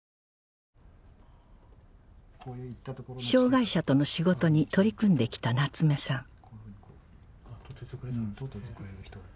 障害者との仕事に取り組んできた夏目さん